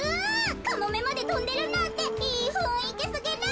カモメまでとんでるなんていいふんいきすぎる！